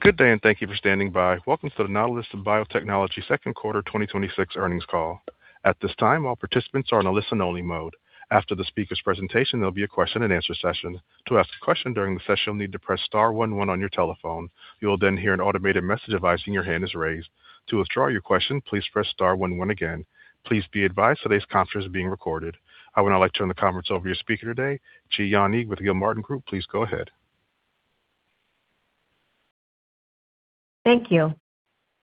Good day, and thank you for standing by. Welcome to the Nautilus Biotechnology second quarter 2026 earnings call. At this time, all participants are in a listen only mode. After the speaker's presentation, there will be a question and answer session. To ask a question during the session, you will need to press star one one on your telephone. You will then hear an automated message advising your hand is raised. To withdraw your question, please press star one one again. Please be advised today's conference is being recorded. I would now like to turn the conference over to your speaker today, Ji-Yon Yi with the Gilmartin Group. Please go ahead. Thank you.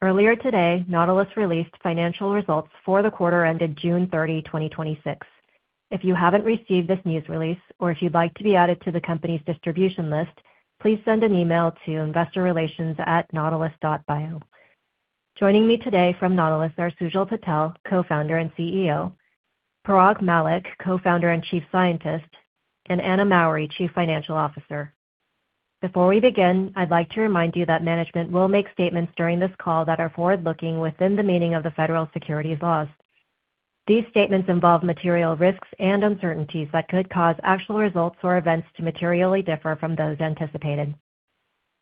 Earlier today, Nautilus released financial results for the quarter ended June 30, 2026. If you haven't received this news release or if you would like to be added to the company's distribution list, please send an email to investorrelations@nautilus.bio. Joining me today from Nautilus are Sujal Patel, Co-Founder and CEO, Parag Mallick, Co-Founder and Chief Scientist, and Anna Mowry, Chief Financial Officer. Before we begin, I would like to remind you that management will make statements during this call that are forward-looking within the meaning of the Federal Securities laws. These statements involve material risks and uncertainties that could cause actual results or events to materially differ from those anticipated.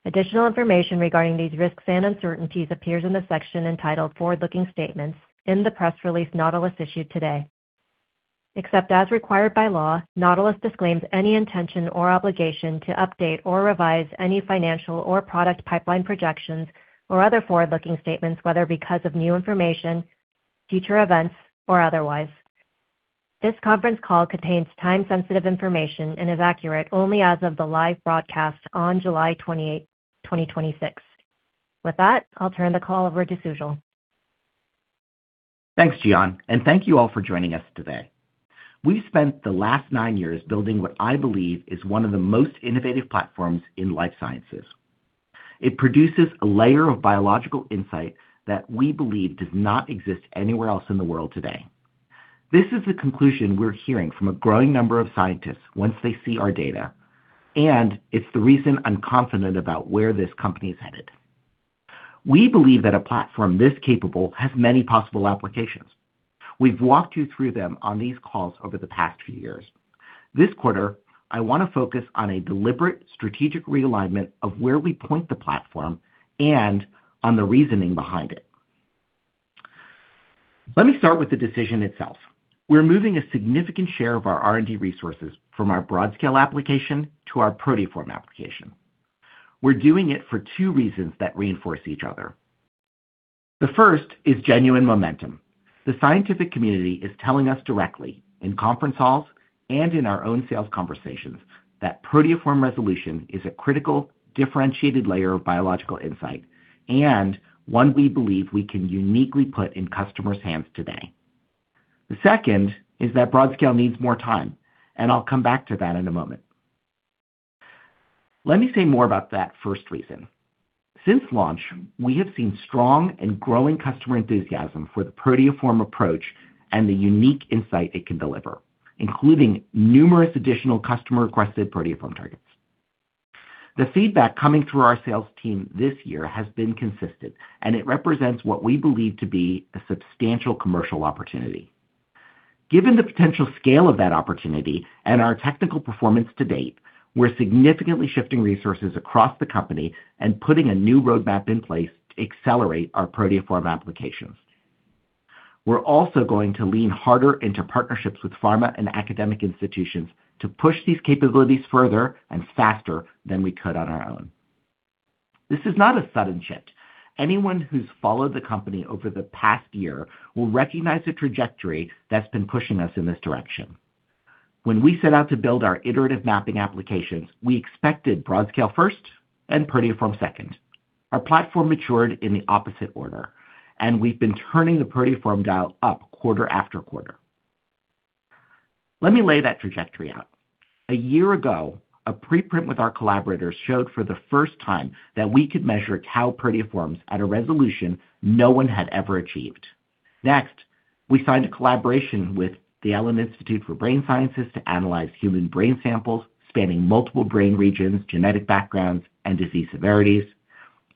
Additional information regarding these risks and uncertainties appears in the section entitled forward-looking statements in the press release Nautilus issued today. Except as required by law, Nautilus disclaims any intention or obligation to update or revise any financial or product pipeline projections or other forward-looking statements, whether because of new information, future events, or otherwise. This conference call contains time sensitive information and is accurate only as of the live broadcast on July 28, 2026. With that, I will turn the call over to Sujal. Thanks, Ji-Yon, and thank you all for joining us today. We have spent the last nine years building what I believe is one of the most innovative platforms in life sciences. It produces a layer of biological insight that we believe does not exist anywhere else in the world today. This is the conclusion we are hearing from a growing number of scientists once they see our data, and it is the reason I am confident about where this company is headed. We believe that a platform this capable has many possible applications. We have walked you through them on these calls over the past few years. This quarter, I want to focus on a deliberate strategic realignment of where we point the platform and on the reasoning behind it. Let me start with the decision itself. We are moving a significant share of our R&D resources from our Broadscale application to our proteoform application. We're doing it for two reasons that reinforce each other. The first is genuine momentum. The scientific community is telling us directly in conference halls and in our own sales conversations that proteoform resolution is a critical, differentiated layer of biological insight and one we believe we can uniquely put in customers' hands today. The second is that Broadscale needs more time, and I'll come back to that in a moment. Let me say more about that first reason. Since launch, we have seen strong and growing customer enthusiasm for the proteoform approach and the unique insight it can deliver, including numerous additional customer-requested proteoform targets. The feedback coming through our sales team this year has been consistent, and it represents what we believe to be a substantial commercial opportunity. Given the potential scale of that opportunity and our technical performance to date, we're significantly shifting resources across the company and putting a new roadmap in place to accelerate our proteoform applications. We're also going to lean harder into partnerships with pharma and academic institutions to push these capabilities further and faster than we could on our own. This is not a sudden shift. Anyone who's followed the company over the past year will recognize the trajectory that's been pushing us in this direction. When we set out to build our Iterative Mapping applications, we expected Broadscale first and proteoform second. Our platform matured in the opposite order, and we've been turning the proteoform dial up quarter after quarter. Let me lay that trajectory out. A year ago, a preprint with our collaborators showed for the first time that we could measure tau proteoforms at a resolution no one had ever achieved. Next, we signed a collaboration with the Allen Institute for Brain Sciences to analyze human brain samples spanning multiple brain regions, genetic backgrounds, and disease severities.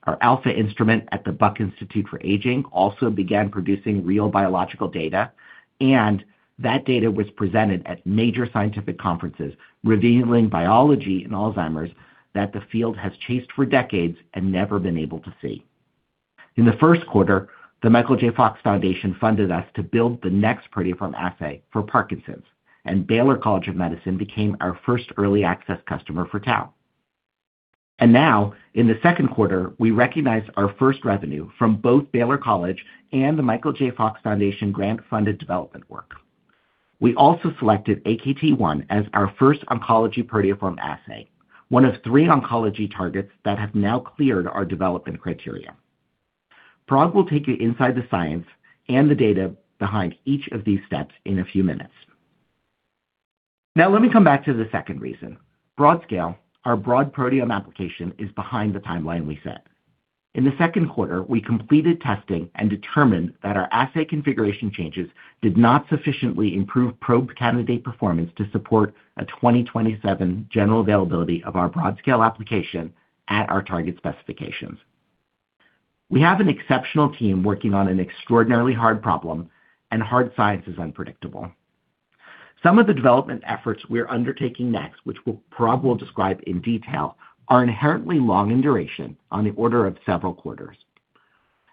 Our alpha instrument at the Buck Institute for Research on Aging also began producing real biological data, and that data was presented at major scientific conferences, revealing biology in Alzheimer's that the field has chased for decades and never been able to see. In the first quarter, The Michael J. Fox Foundation funded us to build the next proteoform assay for Parkinson's, and Baylor College of Medicine became our first early access customer for tau. Now, in the second quarter, we recognized our first revenue from both Baylor College and The Michael J. Fox Foundation grant funded development work. We also selected AKT1 as our first oncology proteoform assay, one of three oncology targets that have now cleared our development criteria. Parag will take you inside the science and the data behind each of these steps in a few minutes. Let me come back to the second reason. Broadscale, our broad proteome application is behind the timeline we set. In the second quarter, we completed testing and determined that our assay configuration changes did not sufficiently improve probe candidate performance to support a 2027 general availability of our Broadscale application at our target specifications. We have an exceptional team working on an extraordinarily hard problem, hard science is unpredictable. Some of the development efforts we're undertaking next, which Parag will describe in detail, are inherently long in duration, on the order of several quarters.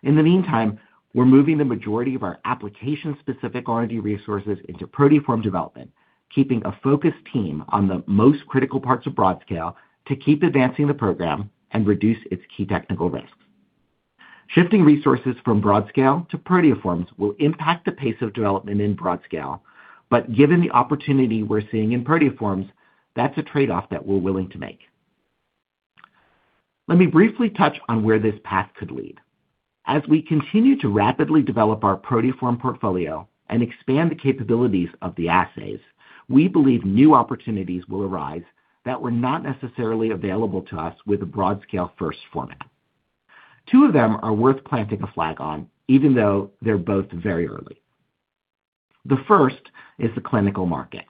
In the meantime, we're moving the majority of our application-specific R&D resources into proteoform development, keeping a focused team on the most critical parts of Broadscale to keep advancing the program and reduce its key technical risks. Shifting resources from Broadscale to proteoforms will impact the pace of development in Broadscale, but given the opportunity we're seeing in proteoforms, that's a trade-off that we're willing to make. Let me briefly touch on where this path could lead. As we continue to rapidly develop our proteoform portfolio and expand the capabilities of the assays, we believe new opportunities will arise that were not necessarily available to us with a Broadscale first format. Two of them are worth planting a flag on, even though they're both very early. The first is the clinical market.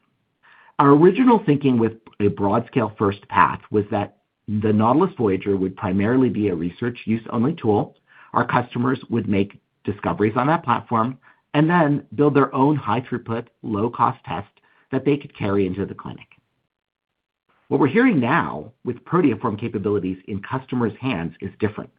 Our original thinking with a Broadscale first path was that the Nautilus Voyager would primarily be a research use only tool. Our customers would make discoveries on that platform and then build their own high throughput, low cost test that they could carry into the clinic. What we're hearing now with proteoform capabilities in customers' hands is different.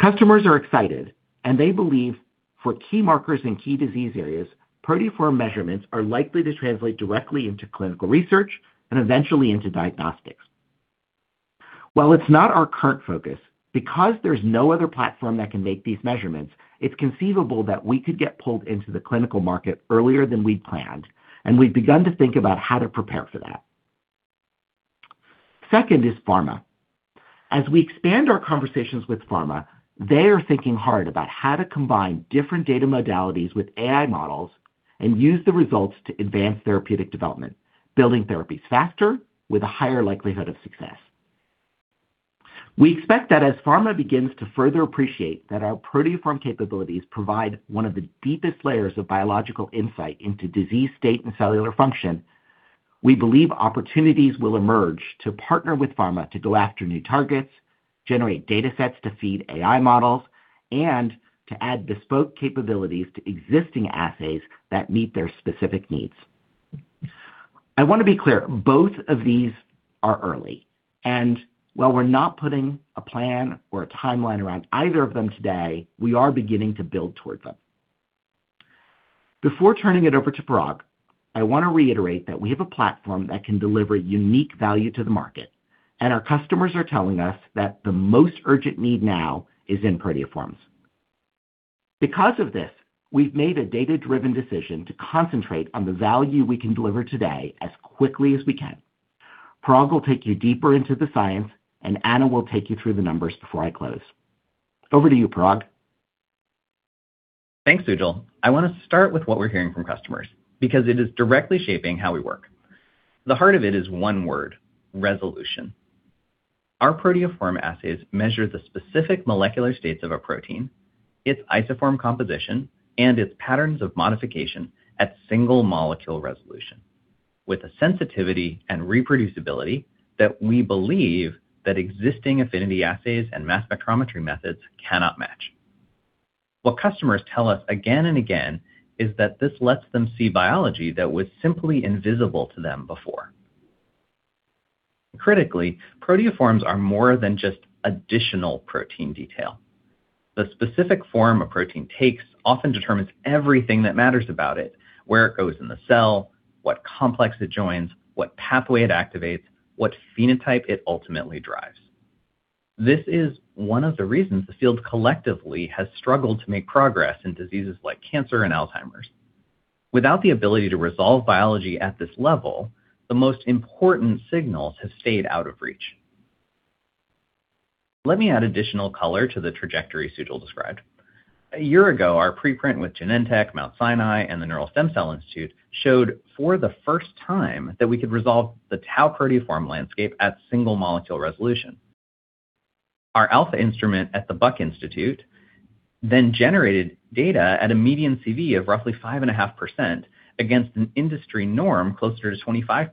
Customers are excited, and they believe for key markers in key disease areas, proteoform measurements are likely to translate directly into clinical research and eventually into diagnostics. While it's not our current focus, because there's no other platform that can make these measurements, it's conceivable that we could get pulled into the clinical market earlier than we'd planned, and we've begun to think about how to prepare for that. Second is pharma. As we expand our conversations with pharma, they are thinking hard about how to combine different data modalities with AI models and use the results to advance therapeutic development, building therapies faster with a higher likelihood of success. We expect that as pharma begins to further appreciate that our proteoform capabilities provide one of the deepest layers of biological insight into disease state and cellular function, we believe opportunities will emerge to partner with pharma to go after new targets, generate datasets to feed AI models, and to add bespoke capabilities to existing assays that meet their specific needs. I want to be clear. Both of these are early, and while we're not putting a plan or a timeline around either of them today, we are beginning to build towards them. Before turning it over to Parag, I want to reiterate that we have a platform that can deliver unique value to the market, and our customers are telling us that the most urgent need now is in proteoforms. Because of this, we've made a data-driven decision to concentrate on the value we can deliver today as quickly as we can. Parag will take you deeper into the science, and Anna will take you through the numbers before I close. Over to you, Parag. Thanks, Sujal. I want to start with what we're hearing from customers because it is directly shaping how we work. The heart of it is one word, resolution. Our proteoform assays measure the specific molecular states of a protein, its isoform composition, and its patterns of modification at single molecule resolution with a sensitivity and reproducibility that we believe existing affinity assays and mass spectrometry methods cannot match. What customers tell us again and again is that this lets them see biology that was simply invisible to them before. Critically, proteoforms are more than just additional protein detail. The specific form a protein takes often determines everything that matters about it, where it goes in the cell, what complex it joins, what pathway it activates, what phenotype it ultimately drives. This is one of the reasons the field collectively has struggled to make progress in diseases like cancer and Alzheimer's. Without the ability to resolve biology at this level, the most important signals have stayed out of reach. Let me add additional color to the trajectory Sujal described. A year ago, our preprint with Genentech, Mount Sinai, and the Neural Stem Cell Institute showed for the first time that we could resolve the tau proteoform landscape at single molecule resolution. Our alpha instrument at the Buck Institute then generated data at a median CV of roughly 5.5% against an industry norm closer to 25%.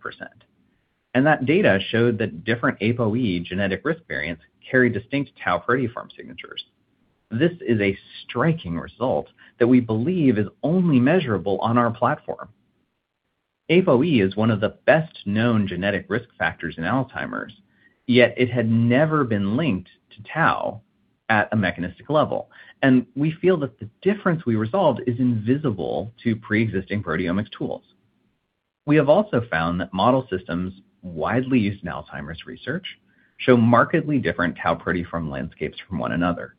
That data showed that different APOE genetic risk variants carry distinct tau proteoform signatures. This is a striking result that we believe is only measurable on our platform. APOE is one of the best known genetic risk factors in Alzheimer's, yet it had never been linked to tau at a mechanistic level, and we feel that the difference we resolved is invisible to preexisting proteomic tools. We have also found that model systems widely used in Alzheimer's research show markedly different tau proteoform landscapes from one another,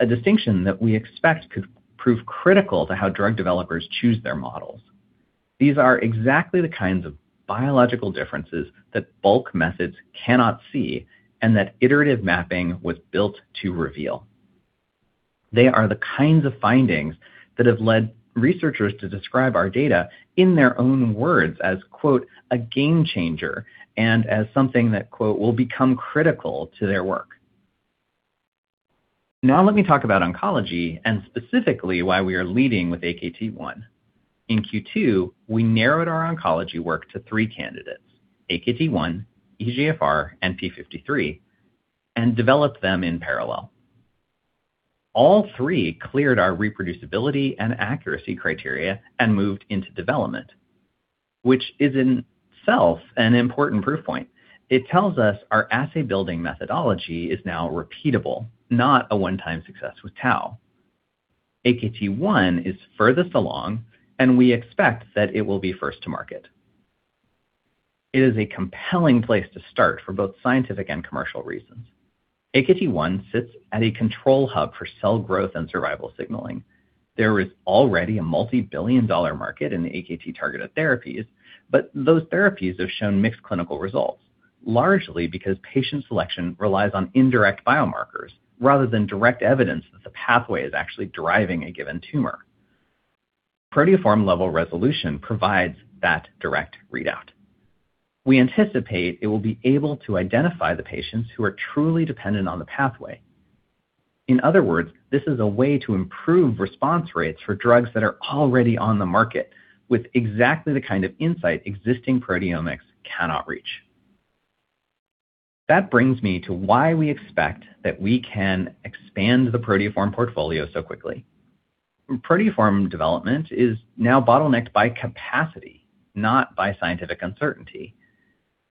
a distinction that we expect could prove critical to how drug developers choose their models. These are exactly the kinds of biological differences that bulk methods cannot see and that Iterative Mapping was built to reveal. They are the kinds of findings that have led researchers to describe our data in their own words as, quote, "a game changer" and as something that, quote, "will become critical to their work." Now let me talk about oncology and specifically why we are leading with AKT1. In Q2, we narrowed our oncology work to three candidates, AKT1, EGFR, and p53, and developed them in parallel. All three cleared our reproducibility and accuracy criteria and moved into development, which is in itself an important proof point. It tells us our assay building methodology is now repeatable, not a one-time success with tau. AKT1 is furthest along, and we expect that it will be first to market. It is a compelling place to start for both scientific and commercial reasons. AKT1 sits at a control hub for cell growth and survival signaling. There is already a multi-billion dollar market in AKT-targeted therapies, but those therapies have shown mixed clinical results, largely because patient selection relies on indirect biomarkers rather than direct evidence that the pathway is actually driving a given tumor. Proteoform-level resolution provides that direct readout. We anticipate it will be able to identify the patients who are truly dependent on the pathway. In other words, this is a way to improve response rates for drugs that are already on the market with exactly the kind of insight existing proteomics cannot reach. That brings me to why we expect that we can expand the proteoform portfolio so quickly. Proteoform development is now bottlenecked by capacity, not by scientific uncertainty.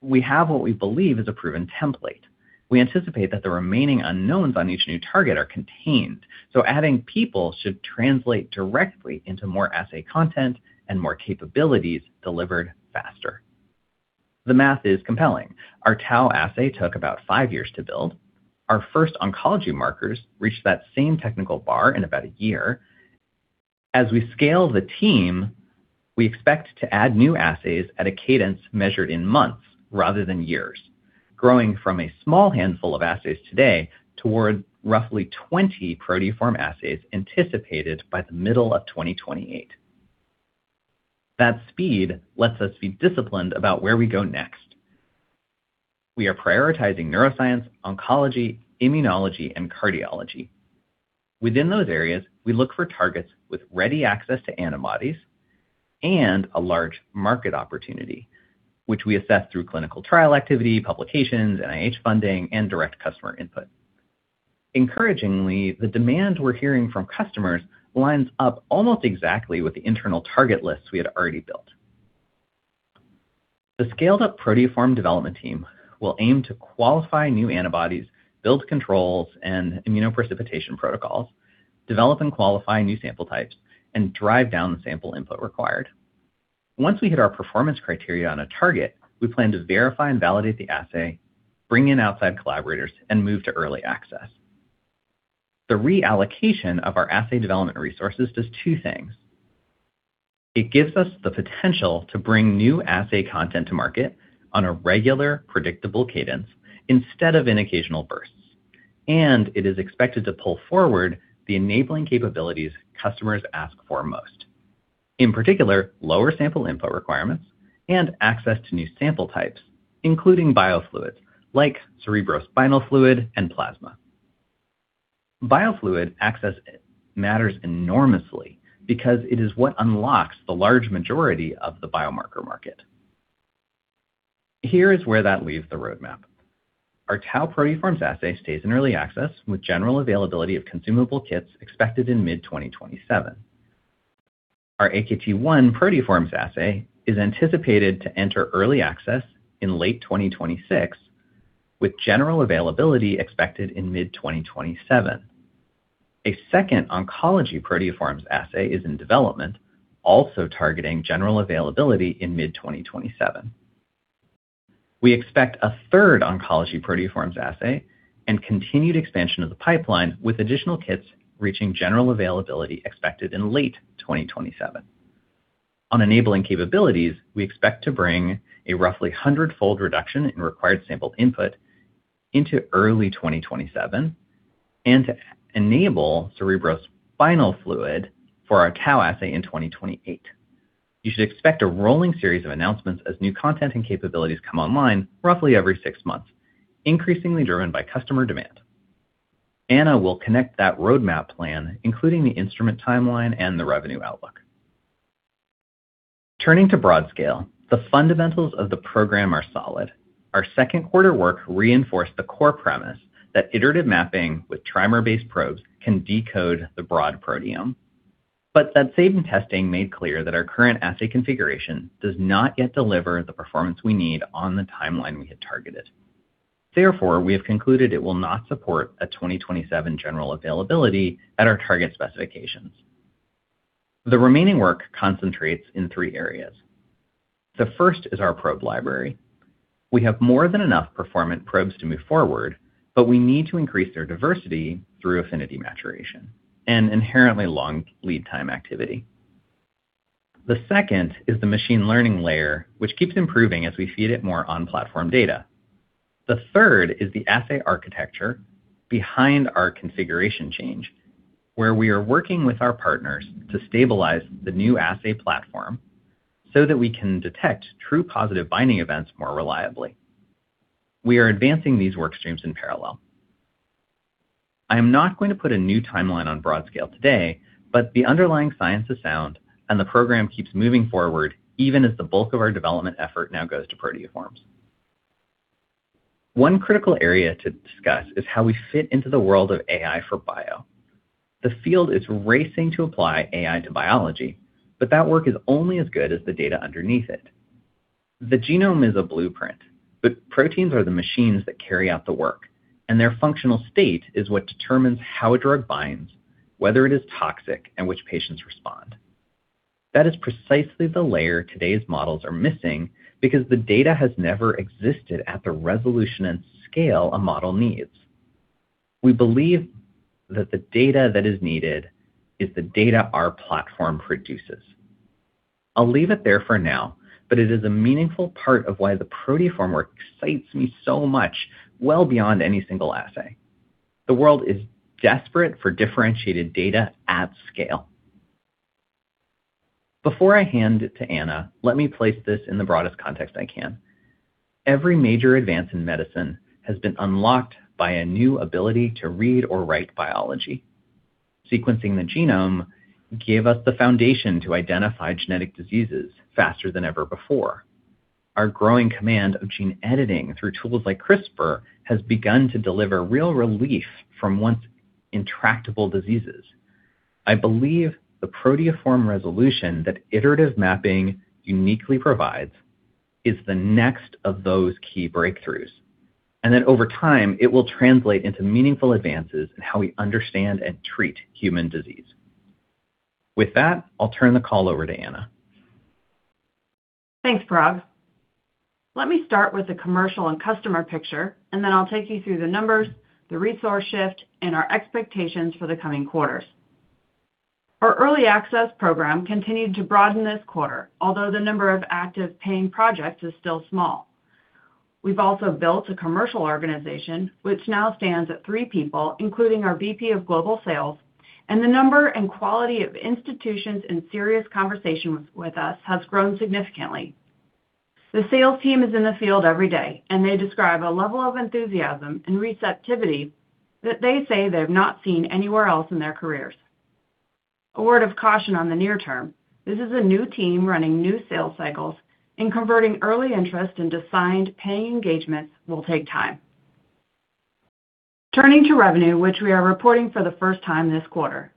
We have what we believe is a proven template. We anticipate that the remaining unknowns on each new target are contained, adding people should translate directly into more assay content and more capabilities delivered faster. The math is compelling. Our tau assay took about five years to build. Our first oncology markers reached that same technical bar in about a year. As we scale the team, we expect to add new assays at a cadence measured in months rather than years, growing from a small handful of assays today toward roughly 20 proteoform assays anticipated by the middle of 2028. That speed lets us be disciplined about where we go next. We are prioritizing neuroscience, oncology, immunology, and cardiology. Within those areas, we look for targets with ready access to antibodies and a large market opportunity, which we assess through clinical trial activity, publications, NIH funding, and direct customer input. Encouragingly, the demand we're hearing from customers lines up almost exactly with the internal target lists we had already built. The scaled-up proteoform development team will aim to qualify new antibodies, build controls and immunoprecipitation protocols, develop and qualify new sample types, and drive down the sample input required. Once we hit our performance criteria on a target, we plan to verify and validate the assay, bring in outside collaborators, and move to early access. The reallocation of our assay development resources does two things. It gives us the potential to bring new assay content to market on a regular, predictable cadence instead of in occasional bursts, and it is expected to pull forward the enabling capabilities customers ask for most. In particular, lower sample input requirements and access to new sample types, including biofluids like cerebrospinal fluid and plasma. Biofluid access matters enormously because it is what unlocks the large majority of the biomarker market. Here is where that leaves the roadmap. Our tau proteoforms assay stays in early access with general availability of consumable kits expected in mid-2027. Our AKT1 proteoforms assay is anticipated to enter early access in late 2026, with general availability expected in mid-2027. A second oncology proteoforms assay is in development, also targeting general availability in mid-2027. We expect a third oncology proteoforms assay and continued expansion of the pipeline, with additional kits reaching general availability expected in late 2027. On enabling capabilities, we expect to bring a roughly 100-fold reduction in required sample input into early 2027 and to enable cerebrospinal fluid for our tau assay in 2028. You should expect a rolling series of announcements as new content and capabilities come online roughly every six months, increasingly driven by customer demand. Anna will connect that roadmap plan, including the instrument timeline and the revenue outlook. Turning to Broadscale, the fundamentals of the program are solid. Our second quarter work reinforced the core premise that Iterative Mapping with trimer-based probes can decode the broad proteome. That same testing made clear that our current assay configuration does not yet deliver the performance we need on the timeline we had targeted. Therefore, we have concluded it will not support a 2027 general availability at our target specifications. The remaining work concentrates in three areas. The first is our probe library. We have more than enough performant probes to move forward, but we need to increase their diversity through affinity maturation, an inherently long lead time activity. The second is the machine learning layer, which keeps improving as we feed it more on-platform data. The third is the assay architecture behind our configuration change, where we are working with our partners to stabilize the new assay platform so that we can detect true positive binding events more reliably. We are advancing these work streams in parallel. I am not going to put a new timeline on Broadscale today, but the underlying science is sound, and the program keeps moving forward even as the bulk of our development effort now goes to proteoforms. One critical area to discuss is how we fit into the world of AI for bio. The field is racing to apply AI to biology, but that work is only as good as the data underneath it. The genome is a blueprint, but proteins are the machines that carry out the work, and their functional state is what determines how a drug binds, whether it is toxic, and which patients respond. That is precisely the layer today's models are missing because the data has never existed at the resolution and scale a model needs. We believe that the data that is needed is the data our platform produces. I'll leave it there for now, but it is a meaningful part of why the proteoform work excites me so much, well beyond any single assay. The world is desperate for differentiated data at scale. Before I hand it to Anna, let me place this in the broadest context I can. Every major advance in medicine has been unlocked by a new ability to read or write biology. Sequencing the genome gave us the foundation to identify genetic diseases faster than ever before. Our growing command of gene editing through tools like CRISPR has begun to deliver real relief from once intractable diseases. I believe the proteoform resolution that Iterative Mapping uniquely provides is the next of those key breakthroughs, and that over time, it will translate into meaningful advances in how we understand and treat human disease. With that, I'll turn the call over to Anna. Thanks, Parag. Let me start with the commercial and customer picture, and then I'll take you through the numbers, the resource shift, and our expectations for the coming quarters. Our early access program continued to broaden this quarter, although the number of active paying projects is still small. We've also built a commercial organization which now stands at three people, including our VP of Global Sales, and the number and quality of institutions in serious conversation with us has grown significantly. The sales team is in the field every day, and they describe a level of enthusiasm and receptivity that they say they've not seen anywhere else in their careers. A word of caution on the near term. This is a new team running new sales cycles, and converting early interest into signed paying engagements will take time. Turning to revenue, which we are reporting for the first time this quarter.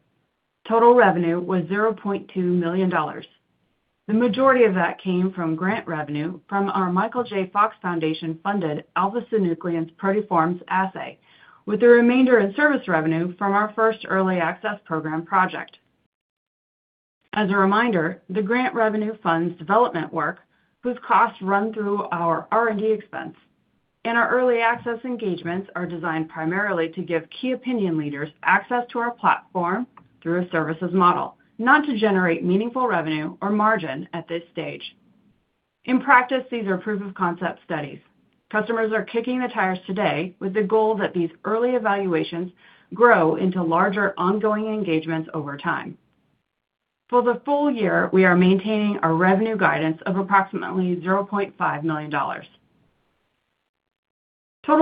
Total revenue was $0.2 million. The majority of that came from grant revenue from our The Michael J. Fox Foundation-funded alpha-synuclein proteoforms assay, with the remainder in service revenue from our first early access program project. As a reminder, the grant revenue funds development work, whose costs run through our R&D expense. Our early access engagements are designed primarily to give key opinion leaders access to our platform through a services model, not to generate meaningful revenue or margin at this stage. In practice, these are proof of concept studies. Customers are kicking the tires today with the goal that these early evaluations grow into larger, ongoing engagements over time. For the full year, we are maintaining our revenue guidance of approximately $0.5 million. Total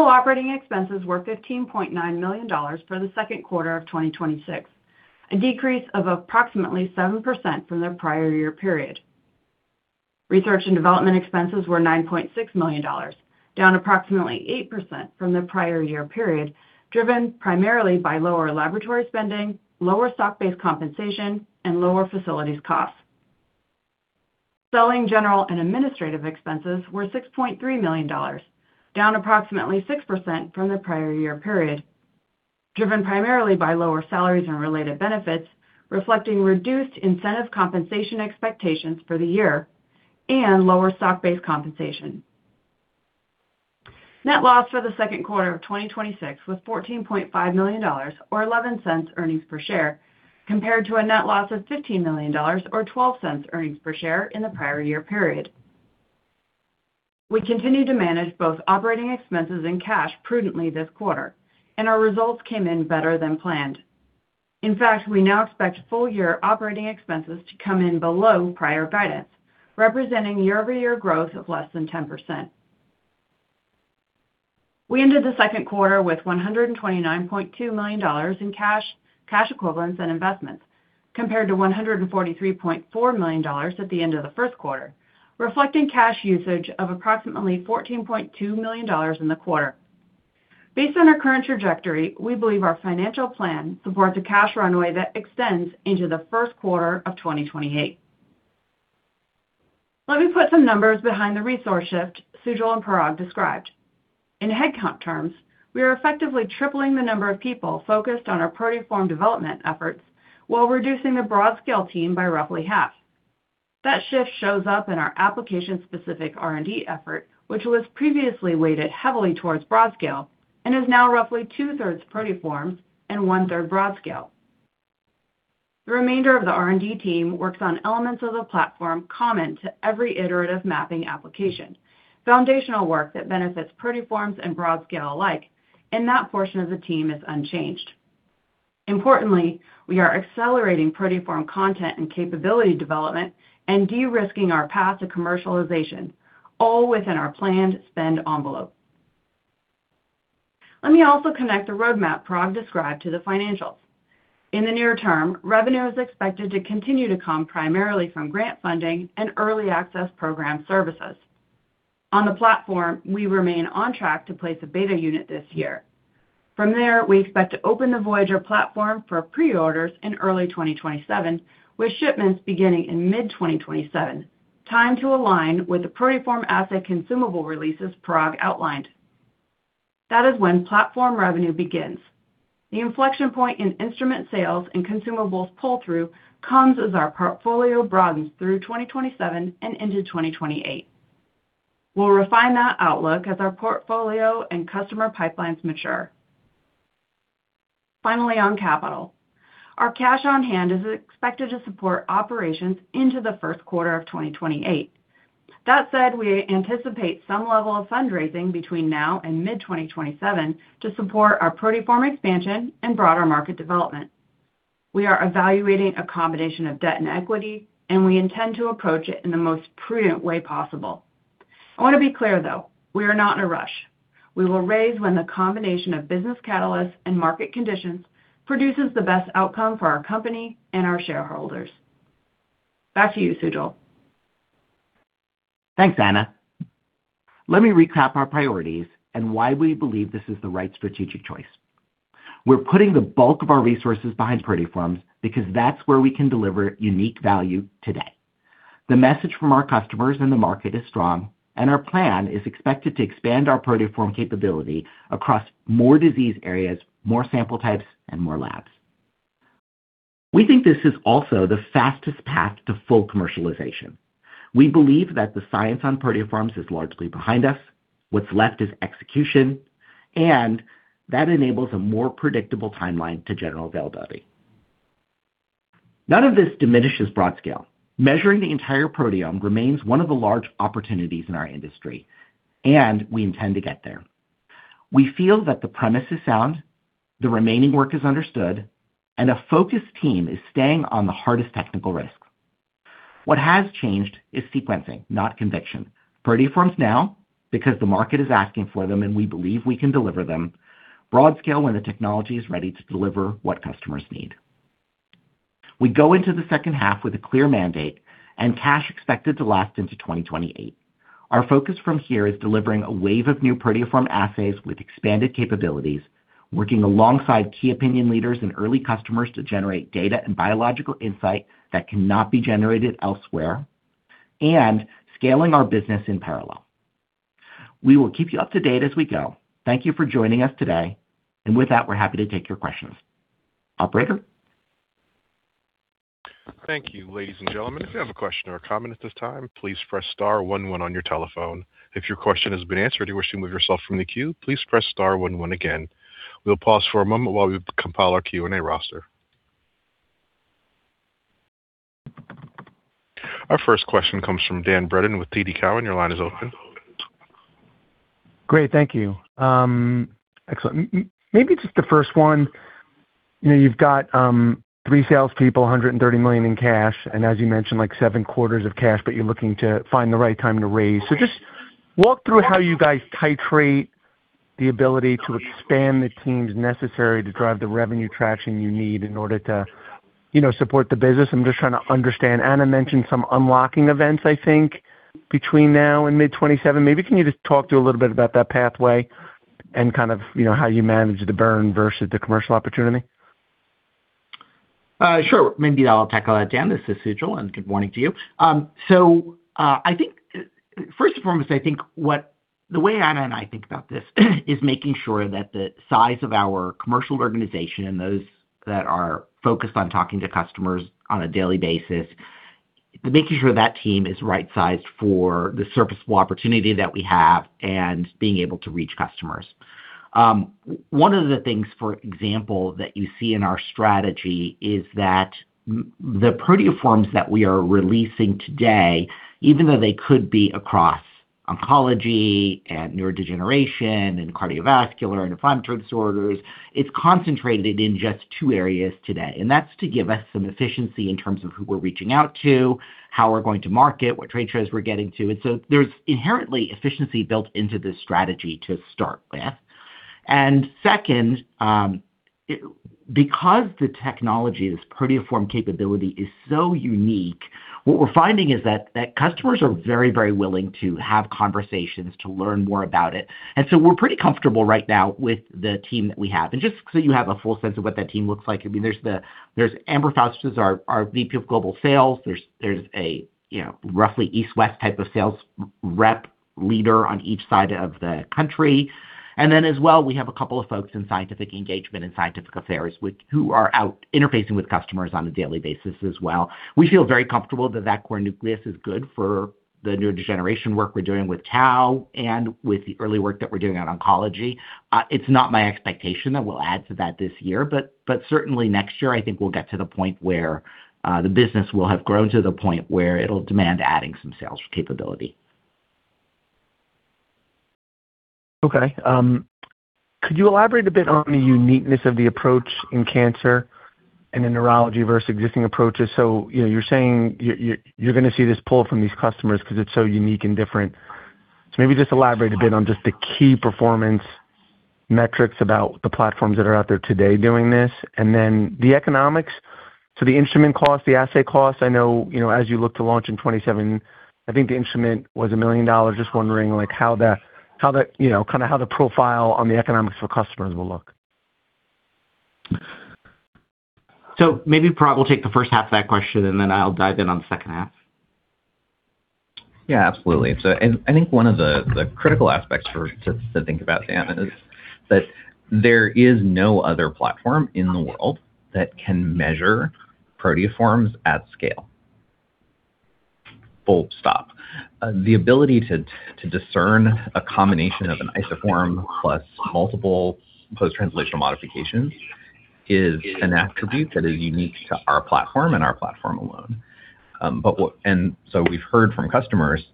operating expenses were $15.9 million for the second quarter of 2026, a decrease of approximately 7% from the prior year period. Research and development expenses were $9.6 million, down approximately 8% from the prior year period, driven primarily by lower laboratory spending, lower stock-based compensation, and lower facilities costs. Selling general and administrative expenses were $6.3 million, down approximately 6% from the prior year period, driven primarily by lower salaries and related benefits, reflecting reduced incentive compensation expectations for the year and lower stock-based compensation. Net loss for the second quarter of 2026 was $14.5 million or $0.11 earnings per share, compared to a net loss of $15 million or $0.12 earnings per share in the prior year period. We continue to manage both operating expenses and cash prudently this quarter, and our results came in better than planned. In fact, we now expect full year operating expenses to come in below prior guidance, representing year-over-year growth of less than 10%. We ended the second quarter with $129.2 million in cash equivalents, and investments, compared to $143.4 million at the end of the first quarter, reflecting cash usage of approximately $14.2 million in the quarter. Based on our current trajectory, we believe our financial plan supports a cash runway that extends into the first quarter of 2028. Let me put some numbers behind the resource shift Sujal and Parag described. In headcount terms, we are effectively tripling the number of people focused on our proteoform development efforts while reducing the Broadscale team by roughly half. That shift shows up in our application-specific R&D effort, which was previously weighted heavily towards Broadscale and is now roughly two-thirds proteoforms and one-third Broadscale. The remainder of the R&D team works on elements of the platform common to every Iterative Mapping application, foundational work that benefits proteoforms and Broadscale alike, and that portion of the team is unchanged. Importantly, we are accelerating proteoform content and capability development and de-risking our path to commercialization, all within our planned spend envelope. Let me also connect the roadmap Parag described to the financials. In the near term, revenue is expected to continue to come primarily from grant funding and early access program services. On the platform, we remain on track to place a beta unit this year. From there, we expect to open the Voyager Platform for pre-orders in early 2027, with shipments beginning in mid-2027, timed to align with the proteoform assay consumable releases Parag outlined. That is when platform revenue begins. The inflection point in instrument sales and consumables pull-through comes as our portfolio broadens through 2027 and into 2028. We'll refine that outlook as our portfolio and customer pipelines mature. Finally, on capital. Our cash on hand is expected to support operations into the first quarter of 2028. That said, we anticipate some level of fundraising between now and mid-2027 to support our proteoform expansion and broader market development. We are evaluating a combination of debt and equity, and we intend to approach it in the most prudent way possible. I want to be clear, though, we are not in a rush. We will raise when the combination of business catalysts and market conditions produces the best outcome for our company and our shareholders. Back to you, Sujal. Thanks, Anna. Let me recap our priorities and why we believe this is the right strategic choice. We're putting the bulk of our resources behind proteoforms because that's where we can deliver unique value today. The message from our customers in the market is strong, and our plan is expected to expand our proteoform capability across more disease areas, more sample types, and more labs. We think this is also the fastest path to full commercialization. We believe that the science on proteoforms is largely behind us. What's left is execution, and that enables a more predictable timeline to general availability. None of this diminishes Broadscale. Measuring the entire proteome remains one of the large opportunities in our industry, and we intend to get there. We feel that the premise is sound, the remaining work is understood, and a focused team is staying on the hardest technical risk. What has changed is sequencing, not conviction. Proteoforms now, because the market is asking for them and we believe we can deliver them, Broadscale when the technology is ready to deliver what customers need. We go into the second half with a clear mandate and cash expected to last into 2028. Our focus from here is delivering a wave of new proteoform assays with expanded capabilities, working alongside key opinion leaders and early customers to generate data and biological insight that cannot be generated elsewhere, and scaling our business in parallel. We will keep you up to date as we go. Thank you for joining us today. With that, we're happy to take your questions. Operator? Thank you, ladies and gentlemen. If you have a question or a comment at this time, please press star one one on your telephone. If your question has been answered and you wish to remove yourself from the queue, please press star one one again. We'll pause for a moment while we compile our Q&A roster. Our first question comes from Dan Brennan with TD Cowen. Your line is open. Great. Thank you. Excellent. Maybe just the first one. You've got three salespeople, $130 million in cash, and as you mentioned, seven quarters of cash, but you're looking to find the right time to raise. Just walk through how you guys titrate the ability to expand the teams necessary to drive the revenue traction you need in order to support the business. I'm just trying to understand. Anna mentioned some unlocking events, I think, between now and mid 2027. Maybe can you just talk through a little bit about that pathway and how you manage the burn versus the commercial opportunity? Sure. Maybe I'll tackle that, Dan. This is Sujal, and good morning to you. First and foremost, I think the way Anna and I think about this is making sure that the size of our commercial organization and those that are focused on talking to customers on a daily basis, making sure that team is right-sized for the serviceable opportunity that we have and being able to reach customers. One of the things, for example, that you see in our strategy is that the proteoforms that we are releasing today, even though they could be across oncology and neurodegeneration and cardiovascular and inflammatory disorders, it's concentrated in just two areas today, and that's to give us some efficiency in terms of who we're reaching out to, how we're going to market, what trade shows we're getting to. There's inherently efficiency built into this strategy to start with. Second, because the technology, this proteoform capability, is so unique, what we're finding is that customers are very willing to have conversations to learn more about it. We're pretty comfortable right now with the team that we have. Just so you have a full sense of what that team looks like, there's Amber Faust, who's our VP of Global Sales. There's a roughly East-West type of sales rep leader on each side of the country. As well, we have a couple of folks in scientific engagement and scientific affairs who are out interfacing with customers on a daily basis as well. We feel very comfortable that that core nucleus is good for the neurodegeneration work we're doing with tau and with the early work that we're doing on oncology. It's not my expectation that we'll add to that this year, certainly next year, I think we'll get to the point where the business will have grown to the point where it'll demand adding some sales capability. Okay. Could you elaborate a bit on the uniqueness of the approach in cancer and in neurology versus existing approaches? You're saying you're going to see this pull from these customers because it's so unique and different. Maybe just elaborate a bit on just the key performance metrics about the platforms that are out there today doing this and then the economics. The instrument cost, the assay cost, I know, as you look to launch in 2027, I think the instrument was $1 million. Just wondering how the profile on the economics for customers will look. Maybe Parag will take the first half of that question, and then I'll dive in on the second half. Yeah, absolutely. I think one of the critical aspects for to think about, Dan, is that there is no other platform in the world that can measure proteoforms at scale. Full stop. The ability to discern a combination of an isoform plus multiple post-translational modifications is an attribute that is unique to our platform and our platform alone. We've heard from customers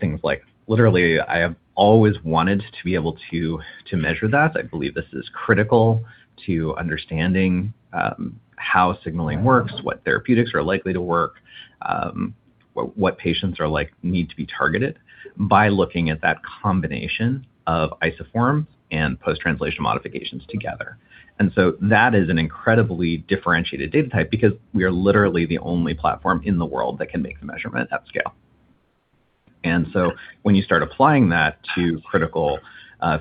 things like, "Literally, I have always wanted to be able to measure that. I believe this is critical to understanding how signaling works, what therapeutics are likely to work, what patients need to be targeted by looking at that combination of isoforms and post-translational modifications together." That is an incredibly differentiated data type because we are literally the only platform in the world that can make the measurement at scale. When you start applying that to critical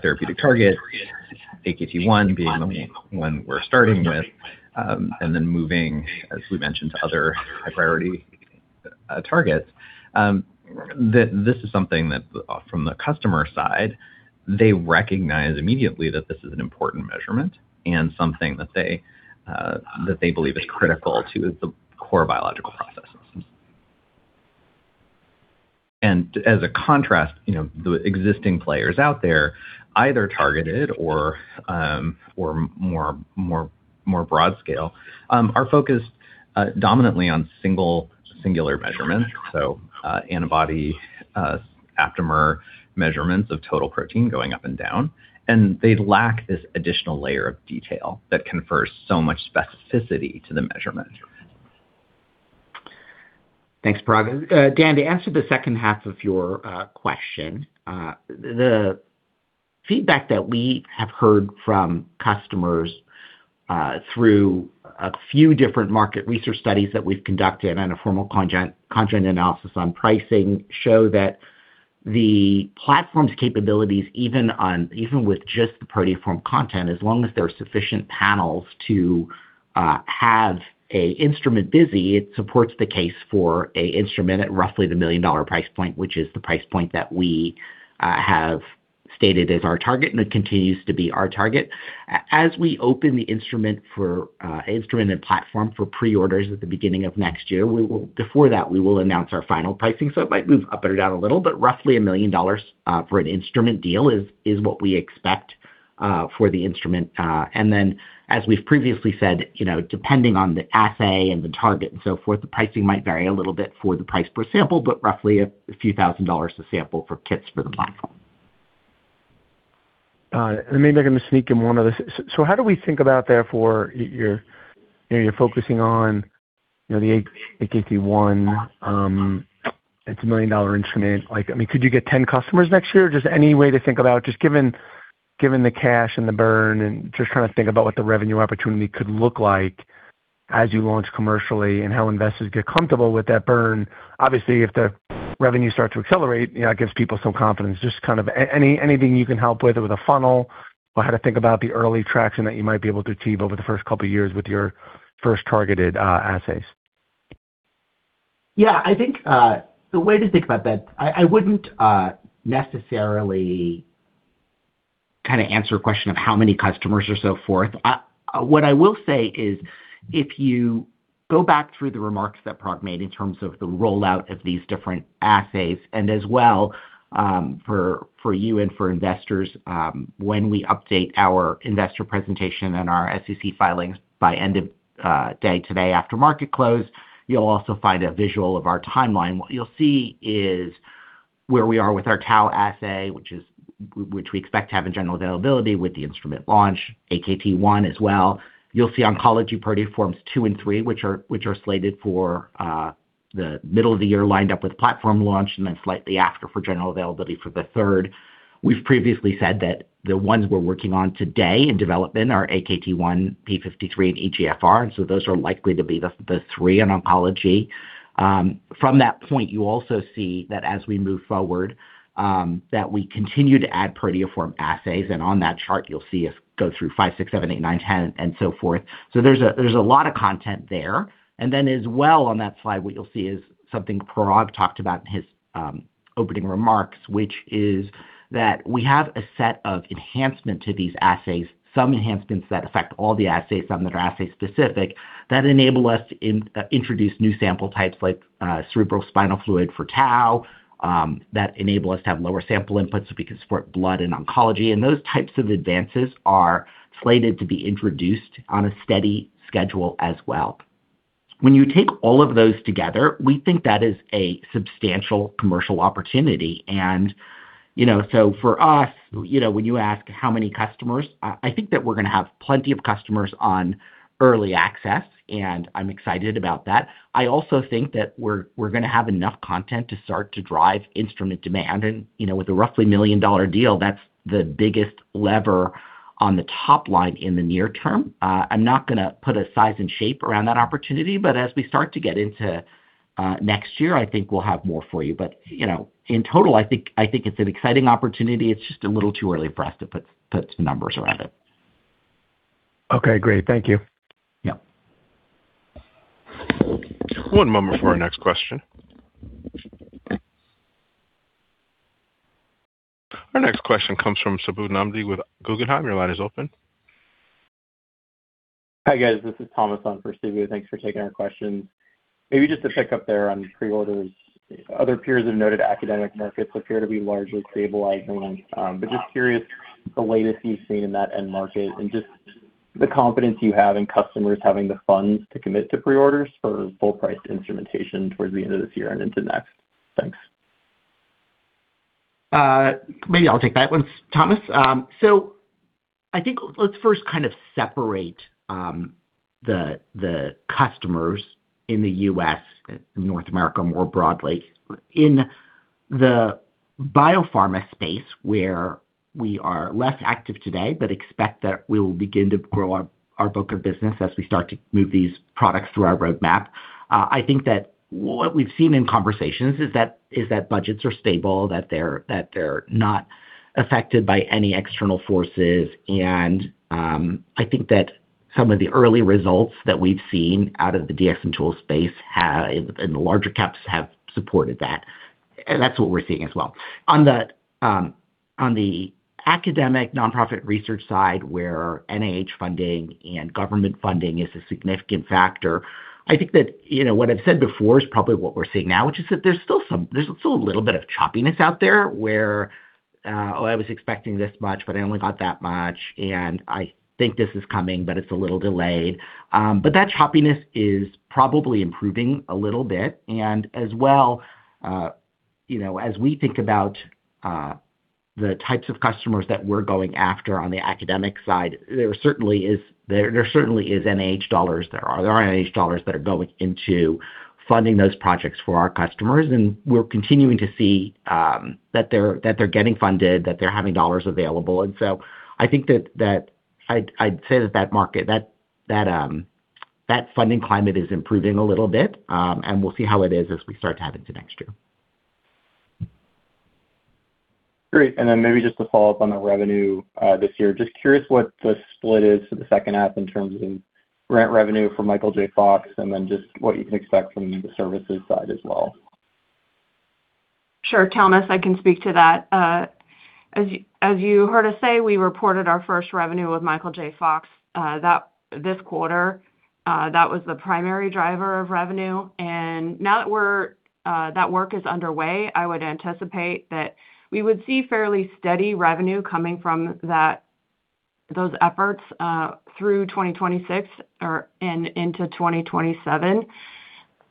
therapeutic targets, AKT1 being the one we're starting with, then moving, as we mentioned, to other high-priority targets, this is something that from the customer side, they recognize immediately that this is an important measurement and something that they believe is critical to the core biological processes. As a contrast, the existing players out there, either targeted or more broad scale, are focused dominantly on singular measurements, so antibody aptamer measurements of total protein going up and down, and they lack this additional layer of detail that confers so much specificity to the measurement. Thanks, Parag. Dan, to answer the second half of your question, the feedback that we have heard from customers through a few different market research studies that we've conducted and a formal conjoint analysis on pricing show that the platform's capabilities, even with just the proteoform content, as long as there are sufficient panels to have an instrument busy, it supports the case for an instrument at roughly the million-dollar price point, which is the price point that we have stated as our target, and it continues to be our target. As we open the instrument and platform for pre-orders at the beginning of next year, before that, we will announce our final pricing. It might move up or down a little, but roughly $1 million for an instrument deal is what we expect for the instrument. As we've previously said, depending on the assay and the target and so forth, the pricing might vary a little bit for the price per sample, but roughly a few thousand dollars a sample for kits for the platform. All right. Maybe I'm going to sneak in one other. How do we think about, therefore, you're focusing on the AKT1. It's a million-dollar instrument. Could you get 10 customers next year? Just any way to think about, just given the cash and the burn and just trying to think about what the revenue opportunity could look like as you launch commercially and how investors get comfortable with that burn. Obviously, if the revenue starts to accelerate, it gives people some confidence. Just anything you can help with a funnel or how to think about the early traction that you might be able to achieve over the first couple of years with your first targeted assays. Yeah, I think the way to think about that, I wouldn't necessarily answer a question of how many customers or so forth. What I will say is if you go back through the remarks that Parag made in terms of the rollout of these different assays and as well, for you and for investors, when we update our investor presentation and our SEC filings by end of day today after market close, you'll also find a visual of our timeline. What you'll see is where we are with our tau assay, which we expect to have in general availability with the instrument launch, AKT1 as well. You'll see oncology proteoforms two and three, which are slated for the middle of the year, lined up with platform launch, and then slightly after for general availability for the third. We've previously said that the ones we're working on today in development are AKT1, p53, and EGFR. Those are likely to be the three in oncology. From that point, you also see that as we move forward, that we continue to add proteoform assays, and on that chart you'll see us go through five, six, seven, eight, nine, 10, and so forth. There's a lot of content there. As well on that slide, what you'll see is something Parag talked about in his opening remarks, which is that we have a set of enhancement to these assays, some enhancements that affect all the assays, some that are assay-specific, that enable us to introduce new sample types like cerebrospinal fluid for tau, that enable us to have lower sample inputs, so we can support blood and oncology. Those types of advances are slated to be introduced on a steady schedule as well. When you take all of those together, we think that is a substantial commercial opportunity. For us, when you ask how many customers, I think that we're going to have plenty of customers on early access, and I'm excited about that. I also think that we're going to have enough content to start to drive instrument demand. With a roughly $1 million deal, that's the biggest lever on the top line in the near term. I'm not going to put a size and shape around that opportunity, but as we start to get into next year, I think we'll have more for you. In total, I think it's an exciting opportunity. It's just a little too early for us to put numbers around it. Okay, great. Thank you. Yeah. One moment for our next question. Our next question comes from Subbu Nambi with Guggenheim. Your line is open. Hi, guys. This is Thomas on for Subbu. Thanks for taking our question. Maybe just to pick up there on pre-orders. Other peers have noted academic markets appear to be largely stabilized and linked. Just curious the latest you've seen in that end market and just the confidence you have in customers having the funds to commit to pre-orders for full-priced instrumentation towards the end of this year and into next. Thanks. Maybe I'll take that one, Thomas. I think let's first kind of separate the customers in the U.S., North America, more broadly. In the biopharma space, where we are less active today, but expect that we will begin to grow our book of business as we start to move these products through our roadmap. I think that what we've seen in conversations is that budgets are stable, that they're not affected by any external forces, I think that some of the early results that we've seen out of the Dx and tool space and the larger caps have supported that. That's what we're seeing as well. On the academic nonprofit research side, where NIH funding and government funding is a significant factor, I think that what I've said before is probably what we're seeing now, which is that there's still a little bit of choppiness out there where, oh, I was expecting this much, but I only got that much, and I think this is coming, but it's a little delayed. That choppiness is probably improving a little bit. As well, as we think about the types of customers that we're going after on the academic side, there certainly is NIH dollars there. There are NIH dollars that are going into funding those projects for our customers, and we're continuing to see that they're getting funded, that they're having dollars available. I think that I'd say that funding climate is improving a little bit, and we'll see how it is as we start to tap into next year. Great. Maybe just to follow up on the revenue this year, just curious what the split is for the second half in terms of grant revenue from Michael J. Fox, and just what you can expect from the services side as well. Sure, Thomas, I can speak to that. As you heard us say, we reported our first revenue with Michael J. Fox this quarter. That was the primary driver of revenue. Now that work is underway, I would anticipate that we would see fairly steady revenue coming from those efforts through 2026 and into 2027.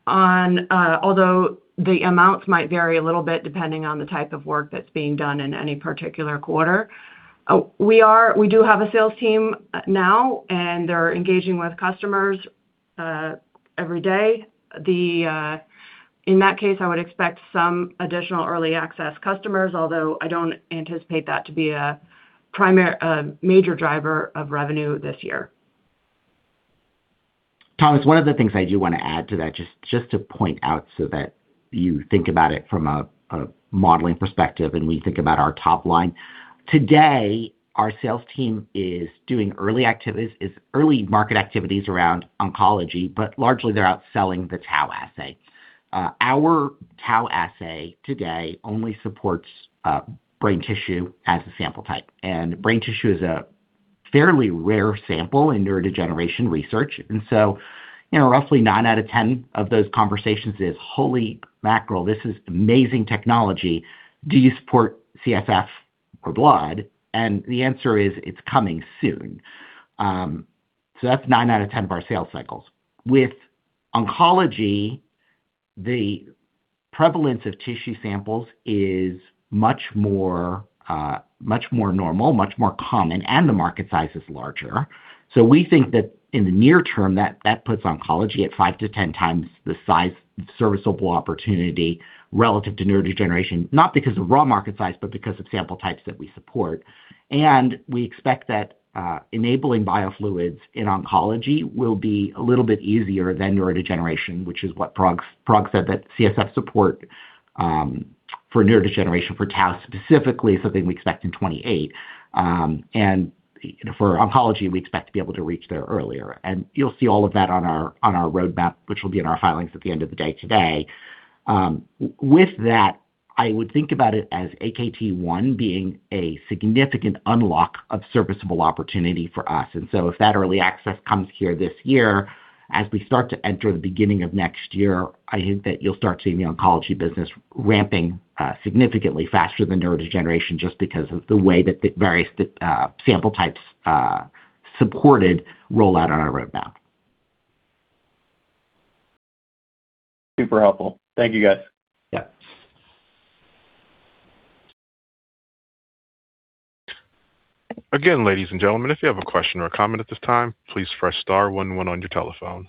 Although the amounts might vary a little bit depending on the type of work that's being done in any particular quarter. We do have a sales team now, and they're engaging with customers every day. In that case, I would expect some additional early access customers, although I don't anticipate that to be a major driver of revenue this year. Thomas, one of the things I do want to add to that, just to point out so that you think about it from a modeling perspective, we think about our top line. Today, our sales team is doing early market activities around oncology, largely they're out selling the tau assay. Our tau assay today only supports brain tissue as a sample type, brain tissue is a fairly rare sample in neurodegeneration research. Roughly nine out of 10 of those conversations is, "Holy mackerel, this is amazing technology. Do you support CSF or blood?" The answer is, it's coming soon. That's nine out of 10 of our sales cycles. With oncology, the prevalence of tissue samples is much more normal, much more common, the market size is larger. We think that in the near term, that puts oncology at 5-10 times the size serviceable opportunity relative to neurodegeneration, not because of raw market size, but because of sample types that we support. We expect that enabling biofluids in oncology will be a little bit easier than neurodegeneration, which is what Parag said, that CSF support for neurodegeneration, for tau specifically, is something we expect in 2028. For oncology, we expect to be able to reach there earlier. You'll see all of that on our roadmap, which will be in our filings at the end of the day today. With that, I would think about it as AKT1 being a significant unlock of serviceable opportunity for us. If that early access comes here this year, as we start to enter the beginning of next year, I think that you'll start seeing the oncology business ramping significantly faster than neurodegeneration just because of the way that the various sample types supported roll out on our roadmap. Super helpful. Thank you, guys. Yeah. Again, ladies and gentlemen, if you have a question or a comment at this time, please press star one one on your telephone.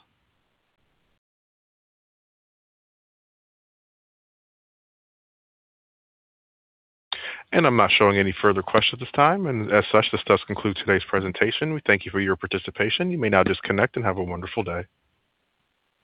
I'm not showing any further questions at this time, and as such, this does conclude today's presentation. We thank you for your participation. You may now disconnect, and have a wonderful day.